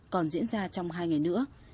còn diễn ra trong hai ngày nữa